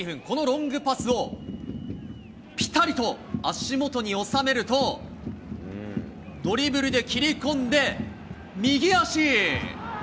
前半２２分、ロングパスをぴたりと足元に収めると、ドリブルで切り込んで右足！